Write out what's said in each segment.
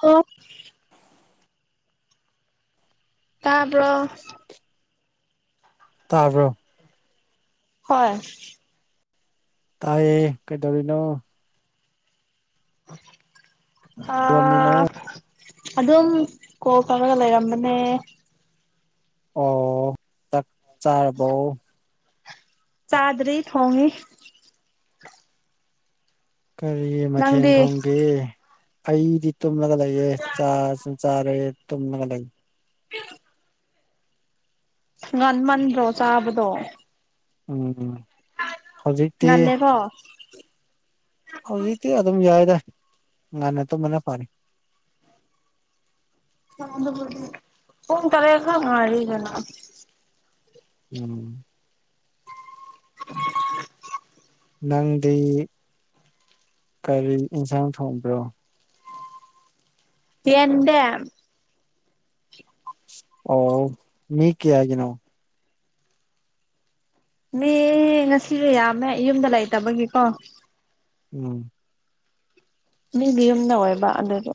Of ꯇꯥꯕꯔꯣ ꯇꯥꯕ꯭ꯔꯣ ꯍꯣꯏ ꯇꯥꯏꯌꯦ ꯀꯩꯗꯧꯔꯤꯅꯣ? ꯍꯥ ꯔꯣꯃꯤꯅꯣ? ꯑꯗꯨꯝ ꯀꯣꯜ ꯇꯦꯔꯒ ꯂꯩꯔꯝꯕꯅꯦ꯫ ꯑꯣ ꯆꯥꯛ ꯆꯥꯔꯕꯣ? ꯆꯥꯗ꯭ꯔꯤ ꯊꯣꯡꯉꯤ꯫ ꯀꯔꯤ ꯃꯊꯦꯜ ꯅꯪꯗꯤ ꯊꯣꯡꯒꯦ ꯑꯩꯗꯤ ꯇꯨꯝꯂꯒ ꯂꯩꯑ ꯆꯥ ꯆꯥꯔꯦ ꯇꯣꯝꯅ ꯂꯩ ꯉꯟꯃꯟꯗ꯭ꯔꯣ ꯆꯥꯕꯗꯣ ꯎꯝ ꯍꯧꯖꯤꯛꯇꯤ [unintelligible] ꯍꯧꯖꯤꯛꯇꯤ ꯑꯗꯨꯝ ꯌꯥꯏꯗ ꯉꯥꯟꯟꯅ ꯇꯨꯝꯕꯅ ꯐꯔꯦ꯫ ꯄꯨꯡ ꯇꯥꯔꯦꯠ ꯇꯥ ꯉꯥꯏꯔꯤꯗ ꯎꯝ [inaudible] ꯅꯪꯗꯤ ꯀꯔꯤ ꯌꯦꯟꯁꯥꯡ ꯊꯣꯡꯕ꯭ꯔꯣ? ꯌꯦꯟꯗꯦꯝ ꯑꯣ ꯃꯤ ꯀꯌꯥꯒꯤꯅꯣ? ꯃꯤ ꯉꯁꯤꯗꯤ ꯌꯥꯝꯃꯦ ꯌꯨꯝꯗ ꯂꯩꯇꯕꯒꯤꯀꯣ꯫ ꯎꯝ ꯃꯤꯒꯤ ꯌꯨꯝꯗ ꯑꯣꯏꯕ ꯑꯗꯨꯒꯤ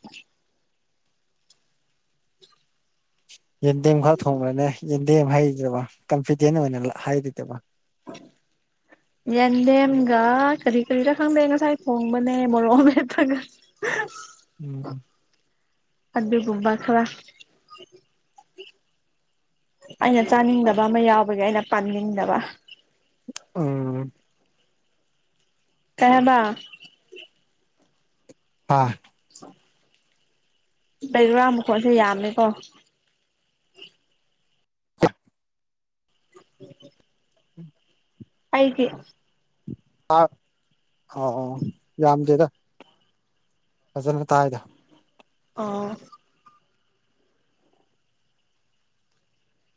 ꯌꯦꯟꯗꯦꯝ ꯈꯛ ꯊꯣꯡꯕ꯭ꯔꯅꯦ ꯌꯦꯟꯗꯦꯝ ꯍꯩꯔꯤꯗꯕ ꯀꯟꯐꯤꯗꯦꯟ ꯑꯣꯏꯅ ꯍꯥꯏꯔꯤꯗꯕ [inaudible] ꯌꯦꯟꯗꯦꯝꯒ ꯀꯔꯤ ꯀꯔꯤꯗ ꯈꯪꯗꯦ ꯉꯁꯥꯏ ꯊꯣꯡꯕꯅꯦ ꯃꯣꯔꯣꯛ ꯍꯦꯄꯒ [inaudible] ꯎꯝ ꯎꯝ ꯑꯗꯒꯨꯝꯕ ꯈꯔ ꯑꯩꯅ ꯆꯥꯅꯤꯡꯗꯕ ꯑꯃ ꯌꯥꯎꯕꯒꯤ ꯑꯩꯅ ꯄꯥꯝꯅꯤꯡꯗꯕ ꯎꯝ ꯀꯩ ꯍꯥꯏꯕ ꯑꯥ ꯂꯩꯔꯥ ꯃꯈꯨꯣꯁꯦ ꯌꯥꯝꯃꯦꯀꯣ [inaudible] ꯑꯩꯒꯤ ꯑ ꯌꯥꯝꯗꯦꯗ ꯐꯖꯅ ꯇꯥꯏꯗ ꯑ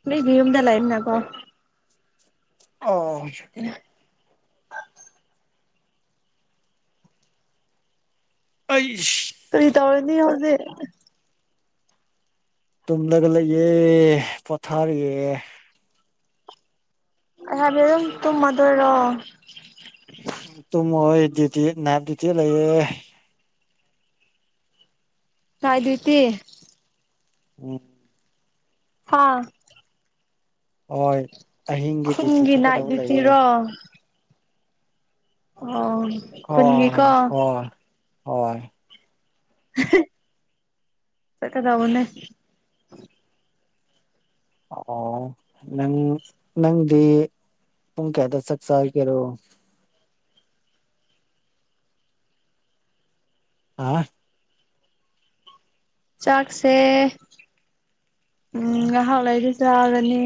ꯃꯤꯒꯤ ꯌꯨꯝꯗ ꯂꯩꯈꯔꯦꯀꯣ ꯑꯣ [inaudible] ꯑꯤꯁ ꯀꯔꯤ ꯇꯧꯔꯅꯤ ꯍꯧꯖꯦ ꯇꯨꯝꯂꯒ ꯂꯩꯌꯦꯦ ꯄꯣꯊꯥꯔꯤꯌꯦ ꯑꯩ ꯍꯥꯏꯕꯦ ꯑꯗꯨꯝ ꯇꯨꯝꯃꯗꯣꯏꯔꯣ ꯇꯨꯝꯃꯣ ꯑꯩ ꯗꯨꯗꯤ ꯅꯥꯠ ꯗꯨꯗꯤ ꯂꯩꯌꯦ ꯅꯥꯏꯗꯨ꯭ꯌꯇꯤ [inaudible] ꯍꯥꯥ ꯍꯣꯏ ꯑꯍꯤꯡꯒꯤ ꯗꯨ꯭ꯌꯇꯤ ꯈꯨꯟꯒꯤ ꯅꯥꯏꯠ ꯊꯣꯛꯀꯗꯕ ꯂꯩꯌꯦ ꯗ꯭ꯌꯨꯇꯤꯔꯣ ꯑꯣ ꯍꯣꯏ ꯈꯨꯟꯒꯤꯀꯣ ꯍꯣꯏ ꯍꯣꯏ ꯁꯠꯀꯗꯧꯕꯅꯦ ꯑꯣ ꯅꯪ ꯅꯪꯗꯤ ꯄꯨꯡ ꯀꯌꯥꯗ ꯆꯥꯛ ꯆꯥꯕꯤꯒꯦꯔꯣ ꯑ ꯆꯥꯛꯁꯦ ꯎꯝ ꯉꯥꯏꯍꯥꯛ ꯂꯩꯗꯤ ꯆꯥꯒꯅꯤ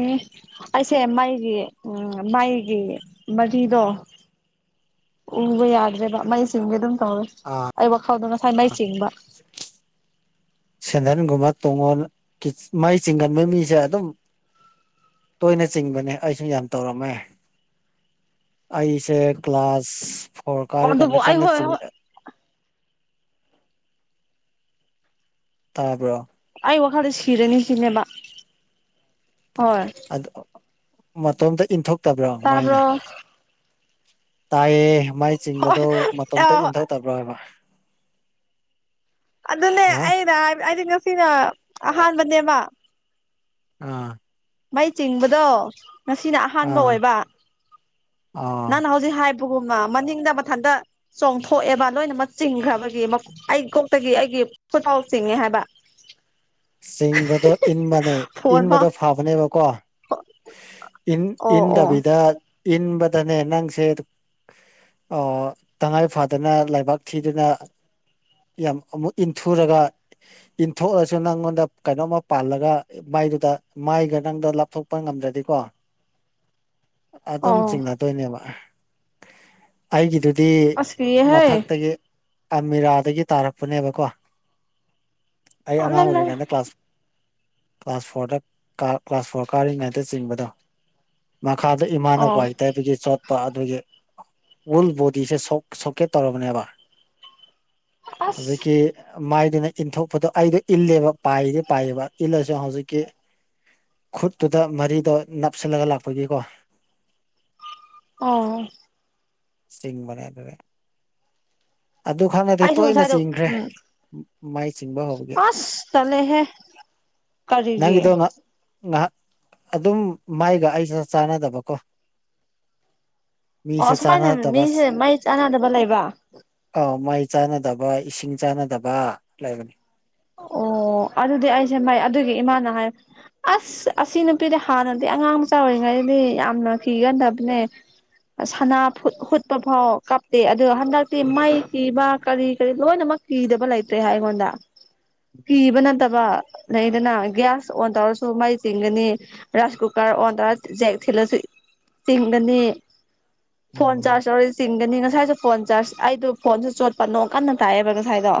ꯑꯩꯁꯦ ꯃꯥꯏꯒꯤ ꯎ ꯃꯥꯏꯒꯤ ꯃꯔꯤꯗꯣ ꯎꯕ ꯌꯥꯗ꯭ꯔꯦꯕ ꯃꯩ ꯁꯤꯡ ꯑꯗꯨꯝ ꯇꯧꯔ ꯑ ꯑꯩ ꯋꯥꯈꯥꯎꯗꯣ ꯉꯁꯥꯏ ꯃꯥꯏ ꯆꯤꯡꯕ [inaudible] ꯁꯦꯟꯗꯟꯒꯨꯝꯕ ꯇꯣꯡꯉꯣꯟ ꯃꯥꯏ ꯆꯤꯡꯒꯟꯕ ꯃꯤꯁꯦ ꯑꯗꯨꯝ ꯇꯣꯏꯅ ꯆꯤꯡꯕꯅꯦ ꯑꯩꯁꯨ ꯌꯥꯝ ꯇꯧꯔꯝꯃꯦ ꯑꯩꯁꯦ ꯀ꯭ꯂꯥꯁ ꯐꯣꯔ ꯑꯣ ꯀꯥꯔꯤ ꯑꯗꯨꯕꯨ ꯀꯥꯟꯗ ꯑꯩ ꯀꯟꯅ ꯍꯣꯏ ꯍꯣꯏ ꯆꯤꯡꯉ ꯇꯥꯔꯕ꯭ꯔꯣ ꯑꯩ ꯋꯥꯈꯜꯗ ꯁꯤꯔꯅꯤꯁꯤꯅꯦꯕ ꯍꯣꯏ ꯃꯇꯣꯝꯇ ꯏꯟꯊꯣꯛꯇꯕ꯭ꯔꯣ ꯃꯥꯏꯅ ꯇꯥꯕ꯭ꯔꯣ ꯇꯥꯏꯌꯦ ꯃꯥꯏ ꯆꯤꯡꯕꯗꯣ ꯑ ꯃꯇꯣꯝꯇ ꯏꯟꯊꯣꯛꯇ ꯕ ꯑꯗꯨꯅꯦ ꯑꯩꯅ ꯑꯩꯗꯤ ꯉꯁꯤꯅ ꯑꯍꯥꯟꯕꯅꯦꯕ ꯑꯥ ꯃꯩ ꯆꯤꯡꯕꯗꯣ ꯉꯁꯤꯅ ꯑꯍꯥꯟꯕ ꯑꯥ ꯑꯣꯏꯕ ꯑꯥ ꯅꯪꯅ ꯍꯧꯖꯤꯛ ꯁꯤꯖꯤ ꯍꯥꯏꯕꯒꯨꯝꯕ ꯃꯅꯤꯡꯗ ꯃꯊꯟꯇ ꯆꯣꯡꯊꯣꯛꯑꯦꯕ ꯂꯣꯏꯅꯃꯛ ꯆꯤꯡꯈ꯭ꯔꯕꯒꯤ ꯑꯩ ꯀꯣꯛꯇꯒꯤ ꯑꯩꯒꯤ ꯆꯈꯥꯎ ꯆꯤꯡꯉꯦ ꯍꯥꯏꯕ ꯆꯤꯡꯕꯗꯣ ꯏꯟꯕꯅꯦ ꯐꯣꯟ ꯐꯥꯎ ꯏꯟꯕꯗꯣ ꯐꯕꯅꯦꯕꯀꯣ ꯏꯟ ꯑꯣ ꯑꯣ ꯏꯟꯗꯕꯤꯗ ꯏꯟꯕꯗꯅ ꯅꯪ ꯁꯦꯔ ꯑꯣ ꯇꯉꯥꯏ ꯐꯗꯅ ꯂꯩꯕꯥꯛ ꯊꯤꯗꯅ ꯌꯥꯝ ꯑꯃꯨꯛ ꯏꯟꯊꯨꯔꯒ ꯏꯟꯊꯣꯛꯑ ꯁꯨ ꯅꯪꯉꯣꯟꯗ ꯀꯩꯅꯣꯝꯃ ꯄꯥꯜꯂꯒ ꯃꯥꯏꯗꯨꯗ ꯃꯥꯏꯒ ꯅꯪꯗꯣ ꯂꯥꯞꯊꯣꯛꯄ ꯉꯝꯗ꯭ꯔꯗꯤꯀꯣ ꯑꯗꯨꯝ ꯑꯣ ꯆꯤꯡꯅꯗꯣꯏꯅꯦꯕ ꯑꯩꯒꯤꯗꯨꯗꯤ ꯑꯁ ꯀꯤꯌꯦꯍꯦ ꯃꯊꯛꯇꯒꯤ ꯑꯃꯤꯔꯥꯗꯒꯤ ꯇꯥꯔꯛꯄꯅꯦꯕꯀꯣ ꯑꯩ ꯑꯉꯥꯡ ꯑꯣꯏꯔꯤꯉꯩꯗ ꯀ꯭ꯂꯥꯁ ꯀ꯭ꯂꯥꯁ ꯐꯣꯔꯗ ꯀ꯭ꯂꯥꯁ ꯐꯣꯔ ꯀꯥꯔꯤꯉꯩꯗ ꯆꯤꯡꯕꯗꯣ ꯃꯈꯥꯗ ꯏꯃꯥꯅ ꯑꯣ ꯋꯥꯏ ꯇꯥꯏꯕꯒꯤ ꯆꯣꯠ ꯑꯗꯨꯒꯤ ꯋꯨꯜ ꯕꯣꯗꯤꯁꯦ ꯁꯣꯀꯦꯠ ꯇꯧꯔꯕꯅꯦꯕ ꯑꯁ ꯍꯧꯖꯤꯛꯀꯤ ꯃꯥꯏꯗꯨꯅ ꯏꯟꯊꯣꯛꯄꯗꯣ ꯑꯩꯗ ꯏꯜꯂꯦꯕ ꯄꯥꯏꯗꯤ ꯄꯥꯏꯌꯦꯕ ꯏꯜꯂꯁꯨ ꯍꯧꯖꯤꯛꯀꯤ ꯈꯨꯠꯇꯨꯗ ꯃꯔꯤꯗꯣ ꯅꯞꯁꯤꯜꯂꯒ ꯂꯥꯛꯄꯒꯤꯀꯣ ꯑꯥꯎ ꯆꯤꯡ ꯃꯔꯛꯇꯨꯗ ꯑꯗꯨ ꯈꯛꯅꯦ ꯑꯗꯣ ꯑꯩꯁꯨ ꯇꯣꯏꯅ ꯉꯁꯥꯏꯗꯣ ꯆꯤꯡꯈ꯭ꯔꯦ ꯎꯝ ꯃꯥꯏ ꯆꯤꯡꯕ ꯍꯧꯕꯒꯤ ꯇꯂꯦꯍꯦ ꯅꯪꯒꯤꯗꯣ ꯉ ꯉꯍꯥꯛ ꯑꯗꯨꯝ ꯃꯥꯏꯒ ꯑꯩꯒ ꯆꯥꯟꯅꯗꯕꯀꯣ ꯑꯣ ꯃꯤꯁꯦ ꯑꯁꯨꯃꯥꯏꯅ ꯆꯥꯟꯅꯗꯕ ꯃꯤꯁꯦ ꯃꯩ ꯆꯥꯟꯅꯗꯕ ꯂꯩꯕ ꯑꯥꯎ ꯃꯩ ꯆꯥꯟꯅꯗꯕ ꯏꯁꯤꯡ ꯆꯥꯟꯅꯗꯕ ꯂꯩꯕꯅꯤ ꯑꯣ ꯑꯗꯨꯗꯤ ꯑꯩꯁꯦ ꯃꯥꯏ ꯑꯗꯨꯒꯤ ꯏꯃꯥꯅ ꯍꯥꯏ ꯑꯁ ꯑꯁꯤ ꯅꯨꯄꯤꯗꯤ ꯍꯥꯟꯅꯗꯤ ꯑꯉꯥꯡ ꯃꯆꯥ ꯑꯣꯏꯔꯤꯉꯩꯗꯗꯤ ꯌꯥꯝꯅ ꯀꯤꯒꯟꯗꯕꯅꯦ ꯁꯅꯥ ꯍꯨꯠꯄ ꯐꯥꯎ ꯀꯥꯞꯇꯦ ꯑꯗꯣ ꯍꯟꯗꯛꯇꯤ ꯃꯩ ꯀꯤꯕ ꯀꯔꯤ ꯀꯔꯤ ꯂꯣꯏꯅꯃꯛ ꯀꯤꯗꯕ ꯂꯩꯇ꯭ꯔꯦ ꯍꯥꯏ ꯑꯩꯉꯣꯟꯗ ꯀꯤꯕ ꯅꯠꯇꯕ ꯂꯩꯗꯅ ꯒ꯭ꯌꯥꯁ ꯑꯣꯟ ꯇꯧꯔꯁꯨ ꯃꯩ ꯆꯤꯡꯒꯅꯤ ꯔꯥꯏꯁ ꯀꯨꯀꯔ ꯑꯣꯟꯗ ꯖꯦꯛ ꯊꯤꯜꯂꯁꯨ ꯆꯤꯡꯒꯅꯤ ꯐꯣꯟ ꯎꯝ ꯆꯥꯔꯁ ꯇꯧꯔꯁꯨ ꯆꯤꯡ ꯒꯅꯤ ꯉꯁꯥꯏꯁꯨ ꯐꯣꯟ ꯆꯥꯔ ꯑꯩꯗꯣ ꯐꯣꯟꯁꯨ ꯆꯣꯠꯄ ꯅꯣꯡ ꯀꯟꯅ ꯇꯥꯑꯦꯕ ꯉꯁꯥꯏꯗꯣ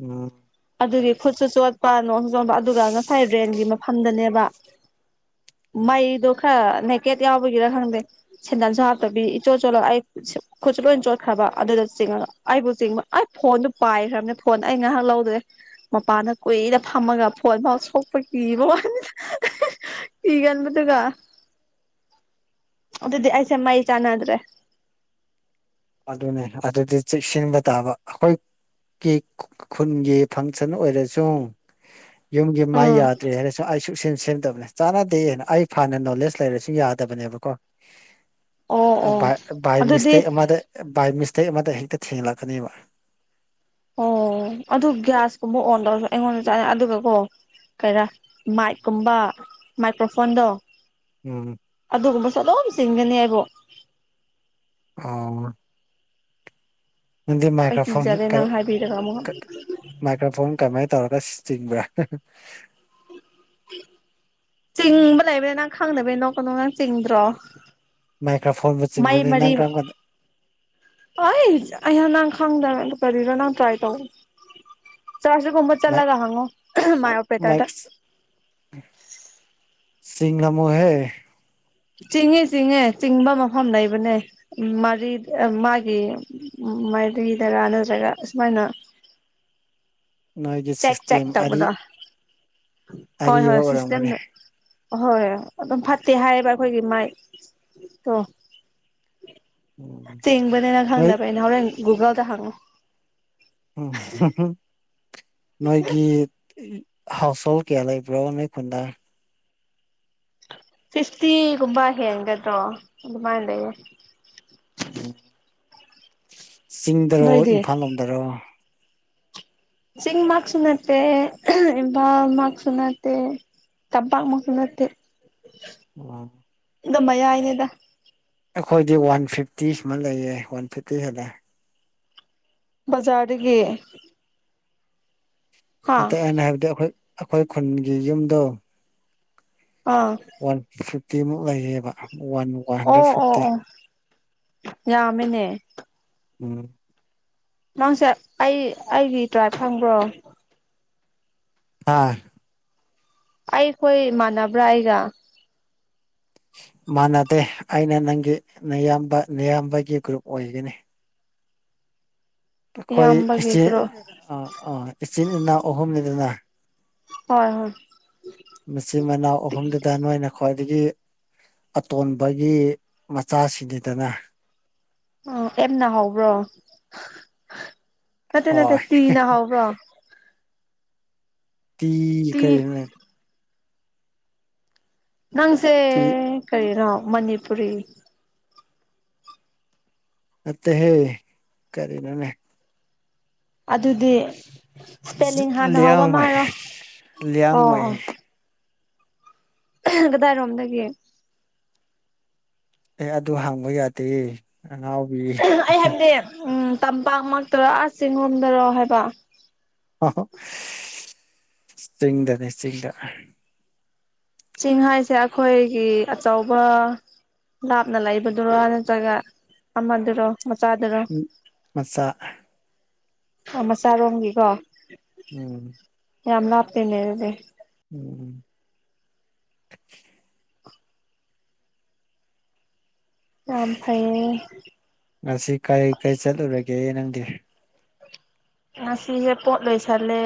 ꯎꯝ ꯑꯗꯨꯒꯤ ꯈꯨꯠꯁꯨ ꯆꯣꯠꯄ ꯅꯣꯡꯁꯨ ꯆꯣꯠꯕ ꯑꯗꯨꯒ ꯉꯁꯥꯏ ꯔꯦꯟꯒꯤ ꯃꯐꯝꯗꯅꯦꯕ ꯃꯩꯗꯣ ꯈꯔ ꯅꯦꯀꯦꯠ ꯌꯥꯎꯕꯒꯤꯔ ꯈꯪꯗꯦ ꯁꯦꯟꯗꯟꯁꯨ ꯍꯥꯞꯇꯕꯤ ꯏꯆꯣꯠ ꯆꯣꯠꯂ ꯑꯩ ꯈꯨꯠꯁꯨ ꯂꯣꯏꯅ ꯆꯣꯠꯈ꯭ꯔꯕ ꯑꯗꯨꯗ ꯆꯤꯡꯉꯒ ꯑꯩꯕꯨ ꯆꯤꯡꯕ ꯑꯩ ꯐꯣꯟꯗꯨ ꯄꯥꯏꯈ꯭ꯔꯕꯅꯦ ꯐꯣꯟ ꯑꯩ ꯉꯍꯥꯛ ꯂꯧꯗ꯭ꯔꯦ ꯃꯄꯥꯟꯗ ꯀꯨꯏꯅ ꯐꯝꯃꯒ ꯐꯣꯟ ꯐꯥꯎ ꯁꯣꯛꯄ ꯀꯤꯕ ꯋꯥꯅꯤ [unintelligible] ꯀꯤꯒꯟꯕꯗꯨꯒ ꯑꯗꯨꯗꯤ ꯑꯩꯁꯦ ꯃꯩ ꯆꯥꯟꯅꯗ꯭ꯔꯦ ꯑꯗꯨꯅꯦ ꯑꯗꯨꯗꯤ ꯆꯦꯛꯁꯤꯟꯕ ꯇꯥꯕ ꯑꯩꯈꯣꯏ ꯀꯤ ꯈꯨꯟꯒꯤ ꯐꯪꯁꯟ ꯑꯣꯏꯔꯁꯨ ꯌꯨꯝꯒꯤ ꯃꯥꯏ ꯎꯝ ꯌꯥꯗ꯭ꯔꯦ ꯍꯥꯏꯔꯁꯨ ꯑꯩ ꯁꯨꯛ ꯁꯦꯝ ꯁꯦꯝꯗꯕꯅꯦ ꯆꯥꯟꯅꯗꯦꯅ ꯑꯩ ꯐꯅ ꯅꯣꯂꯦꯖ ꯂꯩꯔꯁꯨ ꯌꯥꯗꯕꯅꯦꯕꯀꯣ ꯑꯣ ꯑꯣ ꯕꯥ ꯕꯥꯏ ꯑꯗꯨꯗꯤ ꯃꯤꯁꯇꯦꯛ ꯑꯃꯗ ꯕꯥꯏ ꯃꯤꯁꯇꯦꯛ ꯑꯃꯗ ꯍꯦꯛꯇ ꯊꯦꯡꯂꯛꯀꯅꯦꯕ ꯑꯣ ꯑꯗꯨ ꯒ꯭ꯌꯥꯁꯀꯨꯝꯕ ꯑꯣꯟ ꯇꯧꯔꯁꯨ ꯑꯩꯉꯣꯟꯗ ꯆꯥꯂ ꯑꯗꯨꯒ ꯀꯣ ꯀꯩꯔꯥ ꯃꯥꯏꯛꯀꯨꯝꯕ ꯃꯥꯏꯀ꯭ꯔꯣꯐꯣꯟꯗꯣ ꯎꯝ ꯑꯗꯨꯒꯨꯝꯕꯁꯨ ꯑꯗꯨꯝ ꯆꯤꯡꯒꯅꯤ ꯑꯩꯕꯨ ꯑꯣ ꯅꯪꯗꯤ ꯑꯩ ꯃꯥꯏꯀ꯭ꯔꯣꯐꯣꯟ ꯀꯤꯖꯔꯦ ꯅꯪ ꯍꯥꯏꯕꯤꯔꯒ ꯑꯃꯨꯛꯀ ꯃꯥꯏꯀ꯭ꯔꯣꯐꯣꯟ ꯀꯃꯥꯏꯅ ꯇꯧꯔꯒ ꯆꯤꯡꯕ꯭ꯔꯥ ꯆꯤꯡꯕ ꯂꯩꯕꯅꯤ ꯅꯪ ꯈꯪꯗꯕꯩꯅꯤ ꯅꯣꯛꯀꯅꯣ ꯅꯪ ꯆꯤꯡꯗ꯭ꯔꯣ ꯃꯥꯏ ꯀ꯭ꯔꯥ ꯐꯣꯟꯕꯨ ꯃꯩ ꯆꯤꯡꯕ꯭ꯔꯅꯤ ꯃꯔꯤ ꯅꯪ ꯀꯔꯝ ꯀꯥꯟꯗ ꯑꯩ ꯑꯩꯌꯥ ꯅꯪ ꯈꯪꯗꯕꯗ ꯀꯔꯤꯔꯣ ꯅꯪ ꯇ꯭ꯔꯥꯏ ꯇꯧꯑꯣ ꯆꯁ ꯀꯨꯝꯕꯗ ꯃꯥꯏꯛ ꯆꯜꯂꯒ ꯍꯪꯉꯣ ꯃꯥ ꯑꯣꯄꯦꯇꯔꯗ ꯆꯤꯡꯂꯝꯃꯣꯢꯍꯦ ꯆꯤꯡꯉꯦ ꯆꯤꯡꯉꯦ ꯆꯤꯡꯕ ꯃꯐꯝ ꯂꯩꯕꯅꯦ ꯃꯔꯤ ꯃꯥꯒꯤ ꯃꯥꯔꯤꯗꯔꯥ ꯅꯠꯇ꯭ꯔꯒ ꯑꯁꯨꯃꯥꯏꯅ ꯅꯣꯏꯒꯤ ꯆꯛ ꯆꯛ ꯁꯤꯁꯇꯦꯝ ꯑꯔꯤ ꯇꯧꯕꯗꯣ ꯍꯣꯏ ꯑꯔꯤꯕ ꯍꯣꯏ ꯑꯣꯏꯔꯝꯒꯅꯤ ꯁꯤꯁꯇꯦꯝꯗ ꯑꯍꯣꯏ ꯑꯗꯨꯝ ꯐꯠꯇꯦ ꯍꯥꯏꯌꯦꯕ ꯑꯩꯈꯣꯏꯒꯤ ꯃꯥꯏ ꯑꯣ ꯎꯝ ꯆꯦꯡꯕꯅꯦ ꯅꯪ ꯅꯣꯏ ꯈꯡꯗꯕꯩ ꯅꯪ ꯍꯣꯔꯦꯟ ꯒꯨꯒꯜꯗ ꯍꯪꯉꯣ ꯎꯝ [unintelligible] ꯅꯣꯏꯒꯤ ꯍꯥꯎꯁ ꯍꯣꯜ ꯀꯌꯥ ꯂꯩꯕ꯭ꯔꯣ ꯅꯣꯢ ꯈꯨꯟꯗꯥ ꯐꯤꯁꯇꯤꯒꯨꯝꯕ ꯍꯦꯟꯒꯗ꯭ꯔꯣ ꯑꯗꯨꯃꯥꯏꯅ ꯂꯩꯌꯦ ꯎꯝ ꯆꯤꯡꯗꯔꯣ ꯅꯣꯏꯗꯤ ꯏꯝꯐꯥꯜ ꯂꯣꯝꯗꯔꯣ ꯆꯤꯡ ꯃꯥꯛꯁꯨ ꯅꯠꯇꯦꯕꯥ ꯢꯝꯐꯥꯜ ꯃꯥꯛꯁꯨ ꯅꯠꯇꯦ ꯇꯥꯝꯄꯥꯛ ꯃꯛꯁꯨ ꯅꯠꯇꯦ ꯋꯥ ꯑꯗꯨ ꯃꯌꯥꯏꯅꯦꯗ ꯑꯩꯈꯣꯏꯗꯤ ꯋꯥꯟ ꯐꯤꯐꯇꯤ ꯁꯨꯃꯥꯢ ꯂꯩꯌꯦ ꯋꯥꯟ ꯐꯤꯐꯇꯤ ꯍꯦꯜꯂꯦ ꯕꯖꯥꯔꯗꯒꯤ ꯍꯥ ꯅꯠꯇꯦ ꯑꯩꯅ ꯍꯥꯏꯕꯗꯤ ꯑꯩꯈꯣꯏ ꯑꯩꯈꯣꯏ ꯈꯨꯟꯒꯤ ꯌꯨꯝꯗꯣ ꯑꯥ ꯋꯥꯟ ꯐꯤꯐꯇꯤꯃꯨꯛ ꯂꯩꯌꯦꯕ ꯋꯥꯟ ꯋꯥꯟ ꯍꯟꯗ꯭ꯔꯦꯠ ꯑꯣ ꯑꯣ ꯐꯤꯇꯤ ꯑꯣ ꯌꯥꯝꯃꯦꯅꯦ ꯎꯝ ꯅꯪꯁꯦ ꯑꯩ ꯑꯩꯒꯤ ꯗ꯭ꯔꯥꯏꯕ ꯈꯪꯕ꯭ꯔꯣ ꯍꯥꯥ ꯑꯩꯈꯣꯏ ꯏꯃꯥꯟꯅꯕ꯭ꯔꯥ ꯑꯩꯒ ꯃꯥꯟꯅꯗꯦ ꯑꯩꯅ ꯅꯪꯒꯤ ꯅꯌꯥꯝꯕ ꯅꯌꯥꯝꯕꯒꯤ ꯒ꯭ꯔꯨꯞ ꯑꯣꯏꯒꯅꯤ ꯑꯩꯈꯣꯏ ꯏꯆꯤꯟ ꯏꯌꯥꯝꯕꯒꯤꯗ꯭ꯔꯣ ꯑꯥ ꯑꯥ ꯏꯆꯤꯟ ꯏꯅꯥꯎ ꯑꯍꯨꯝꯅꯤꯗꯅ ꯍꯣꯏ ꯍꯣꯏ ꯃꯆꯤꯟ ꯃꯅꯥꯎ ꯑꯍꯨꯝꯗꯨꯗ ꯅꯣꯏꯅ ꯈ꯭ꯋꯥꯏꯗꯒꯤ ꯑꯇꯣꯟꯕꯒꯤ ꯃꯆꯥꯁꯤꯡꯅꯤꯗꯅ ꯑꯣ ꯑꯦꯝꯅ ꯍꯧꯕ꯭ꯔꯣ ꯅꯠꯇꯦ ꯅꯠꯇꯦ ꯍꯣꯏ ꯇꯤꯅ ꯍꯧꯕ꯭ꯔꯣ ꯇꯤ ꯇꯤ ꯀꯔꯤ ꯅꯪꯁꯦ ꯇꯤ ꯀꯔꯤꯅꯣ ꯃꯅꯤꯄꯨꯔꯤ ꯅꯠꯇꯦ ꯍꯦ ꯀꯔꯤ ꯅꯣꯅꯦ ꯑꯗꯨꯗꯤ ꯏꯁꯄꯦꯜꯂꯤꯡ ꯍꯥꯟꯅ ꯍꯥꯎꯕ ꯑꯃ ꯂꯤꯌꯥꯡꯃꯩ ꯍꯥꯢꯔꯣ ꯂꯤꯌꯥꯡꯃꯩ ꯀꯗꯥꯏꯔꯣꯝꯗꯒꯤ ꯑꯦ ꯑꯗꯨ ꯍꯥꯡꯕ ꯌꯥꯗꯦ ꯑꯉꯥꯎꯕꯤ ꯑꯩ ꯍꯥꯏꯕꯗꯤ ꯎ ꯇꯝꯄꯥꯛꯃꯛꯇꯔꯣ ꯆꯤꯡꯔꯣꯝꯗꯔꯣ ꯍꯥꯏꯕ ꯆꯤꯡꯗꯅꯤ ꯆꯤꯡꯗ ꯆꯤꯡ ꯍꯥꯏꯁꯦ ꯑꯩꯈꯣꯏꯒꯤ ꯑꯆꯧꯕ ꯂꯥꯞꯅ ꯂꯩꯕꯗꯨꯔꯣ ꯅꯠꯇ꯭ꯔꯒ ꯑꯃꯗꯨꯔꯣ ꯃꯆꯥꯗꯨꯔꯣ ꯃꯆꯥ ꯑ ꯃꯆꯥꯔꯣꯝꯒꯤꯀꯣ ꯎꯝ ꯌꯥꯝ ꯂꯥꯞꯇꯦꯅꯦ ꯑꯗꯨꯗꯤ ꯎꯝ ꯌꯝ ꯐꯩꯌꯦ ꯉꯁꯤ ꯀꯔꯤ ꯀꯔꯤ ꯆꯠꯂꯨꯔꯒꯦ ꯅꯪꯗꯤ ꯉꯁꯤꯁꯦ ꯄꯣꯠ ꯂꯣꯏꯁꯜꯂꯦ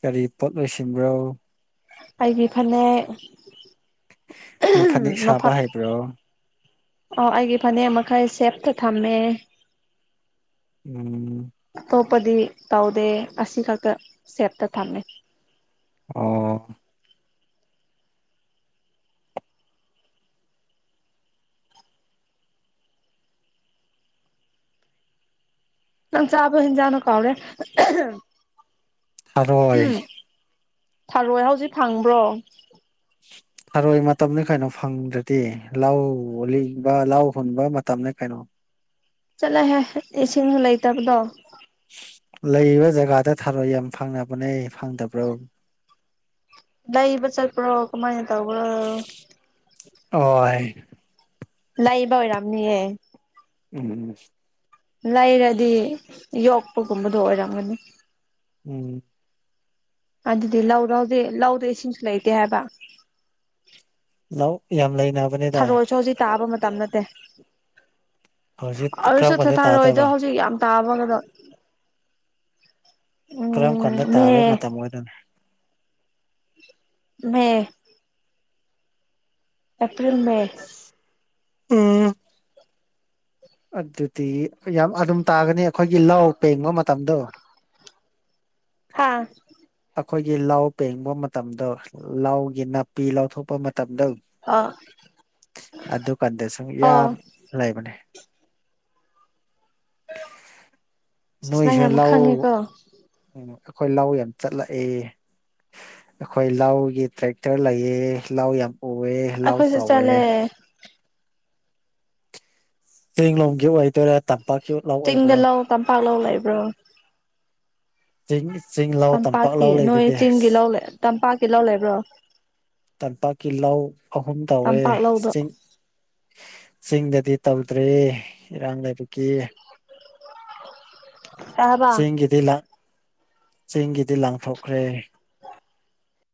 ꯀꯔꯤ ꯄꯣꯠ ꯂꯣꯏꯁꯤꯟꯕ꯭ꯔꯣ ꯑꯩꯥꯒꯤ ꯐꯅꯦꯛ ꯅꯪ ꯐꯅꯦꯛ ꯁꯥꯕ ꯍꯩꯕ꯭ꯔꯣ ꯑꯣ ꯑꯩꯒꯤ ꯐꯅꯦꯛ ꯃꯈꯩ ꯁꯦꯞꯇ ꯊꯝꯃꯦ ꯎꯝ ꯑꯇꯣꯞꯄꯗꯤ ꯇꯧꯗꯦ ꯑꯁꯤ ꯈꯛꯇ ꯁꯦꯞꯇ ꯊꯝꯃꯦ ꯑꯣ ꯆꯪ ꯆꯥꯕ ꯍꯦꯟꯁꯥꯡꯗꯣ ꯀꯥꯎꯔꯦ ꯊꯥꯔꯣꯏ ꯊꯔꯣꯏ ꯍꯧꯖꯤꯛ ꯐꯪꯕ꯭ꯔꯣ [unintelligible] ꯔꯥꯔꯣꯏ ꯃꯇꯝꯅꯤ ꯀꯩꯅꯣ ꯐꯪꯗ꯭ꯔꯗꯤ ꯂꯧ ꯂꯤꯛꯕ ꯂꯧ ꯍꯨꯟꯕ ꯃꯇꯝꯅꯤ ꯀꯩꯅꯣ ꯆꯠꯂꯣꯍꯦ ꯏꯁꯤꯡꯁꯨ ꯂꯩꯇꯕꯗꯣ ꯂꯩꯔꯤꯕ ꯖꯒꯥꯗ ꯊꯥꯔꯣꯏ ꯌꯥꯝ ꯐꯪꯅꯕꯅꯦ ꯐꯪꯗꯕ꯭ꯔꯣ ꯂꯩꯕ ꯆꯠꯄ꯭ꯔꯣ ꯀꯃꯥꯏꯅ ꯇꯧꯕ꯭ꯔꯣ ꯍ ꯂꯥꯛꯌꯦꯕ ꯏꯔꯝꯅꯤꯌꯦ ꯎꯝ ꯂꯩꯔꯗꯤ ꯌꯣꯛꯄꯒꯨꯝꯕꯗꯣ ꯑꯣꯏꯔꯝꯒꯅꯤ ꯎꯝ ꯑꯗꯨꯗꯤ ꯂꯧ ꯂꯧꯗꯦ ꯂꯧꯗꯦ ꯏꯁꯤꯡꯁꯨ ꯂꯩꯇꯦ ꯍꯥꯏꯕ ꯂꯥꯎ ꯌꯥꯝ ꯂꯩ ꯅꯕꯥ ꯊꯔꯣꯏꯁꯨ ꯍꯧꯖꯤꯛ ꯇꯥꯕ ꯃꯇꯝ ꯅꯠꯇꯦ ꯍꯧꯖꯤꯛ ꯑꯗꯨꯁꯨ ꯀꯔꯝ ꯀꯥꯟꯗ ꯊꯥꯔꯣꯏꯗꯣ ꯇꯥꯗꯕ ꯍꯧꯖꯤꯛ ꯌꯥꯝ ꯇꯥꯏꯔꫭꯏꯕꯥ ꯀꯔꯝ ꯀꯥꯟꯗ ꯇꯥꯕ ꯃꯇꯝ ꯑꯣꯏꯗꯧ ꯅꯣ ꯃ° ꯑꯦꯄ꯭꯭ꯔꯔꯤꯟ ꯃꯦ ꯎꯝ ꯑꯗꯨꯗꯤ ꯌꯥꯝ ꯑꯗꯨꯝ ꯇꯥꯒꯅꯤ ꯑꯩꯈꯣꯏꯒꯤ ꯂꯧ ꯄꯦꯡꯕꯥ ꯃꯇꯝꯗꫭ꯫ ꯍꯥꯥꯍꯍ ꯑꯩꯈꯣꯏꯒꯤ ꯂꯧ ꯄꯦꯡꯕꯥ ꯃꯇꯝꯗꯣ ꯂꯧꯒꯤ ꯅꯥꯄꯤ ꯂꯧꯊꯣꯛꯄ ꯃꯇꯝ ꯃꯇꯝꯗꯧ ꯑ ꯑꯗꯨꯀꯥꯟꯗꯁꯨꯨꯝ ꯑꯣ ꯌꯥꯝ ꯂꯩꯕꯅꯦ ꯆꯁ ꯅ ꯅꯣꯏꯁꯨ ꯌꯥꯝ ꯑꯃ ꯂꯧ ꯈꯪꯉꯦꯀꯣ ꯎꯝ ꯑꯩꯈꯣꯏ ꯂ ꯌꯥꯝ ꯆꯠꯂꯛꯑꯦ ꯑꯩꯈꯣꯏ ꯂꯒꯤ ꯇ꯭ꯔꯦꯛꯇꯔ ꯂꯩꯌꯦ ꯂ ꯌꯥꯝ ꯎꯑꯦ ꯂꯧ ꯑꯩꯈꯣꯏꯁ ꯆꯥꯎꯋꯦ ꯆꯂꯦ ꯇꯡꯂꯣꯝꯒꯤ ꯑꯣꯏꯗꯣꯏꯔꯥ ꯇꯝꯄꯥꯛꯀꯤ ꯂꯥꯎ ꯑꯣꯏꯕ꯭ꯔꯥ ꯇꯝꯄꯥꯛꯂ ꯂꯩꯕ꯭ꯔꯣ ꯆꯤꯡ ꯆꯤꯡ ꯂꯥꯎ ꯇꯝꯄꯥꯛ ꯇꯝꯄꯥꯛꯀꯤ ꯂꯥꯎ ꯅꯣꯏ ꯂꯩꯔꯗꯤ ꯆꯤꯡꯒꯤ ꯂꯧ ꯂꯩ ꯇꯝꯄꯥꯛꯀꯤ ꯂꯧ ꯂꯩꯕ꯭ꯔꯣ ꯇꯝꯄꯥꯛ ꯀꯤꯜꯍꯧ ꯑꯍꯨꯝ ꯇꯧꯋꯦ ꯇꯝꯄꯥꯛ ꯂꯧꯗꯣ ꯆꯤꯡ ꯆꯤꯡꯗꯗꯤ ꯇꯧꯗ꯭ꯔꯦ ꯏꯔꯥꯡ ꯂꯥꯏꯕꯛꯀꯤ [unintelligible] ꯍꯥꯏꯕ ꯆꯦꯡꯒꯤꯗꯤ ꯂ ꯆꯦꯡꯒꯤꯗꯤ ꯂꯥꯡꯊꯣꯛꯈ꯭ꯔꯦ